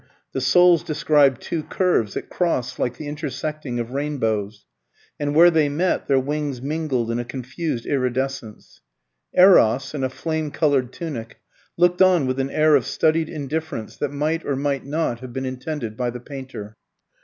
The souls described two curves that crossed like the intersecting of rainbows; and where they met, their wings mingled in a confused iridescence. Eros, in a flame coloured tunic, looked on with an air of studied indifference that might or might not have been intended by the painter.